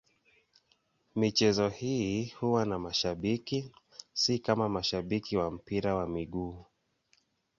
Michezo hii huwa na mashabiki, si kama mashabiki wa mpira wa miguu.